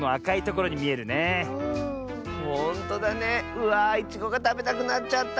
うわいちごがたべたくなっちゃった！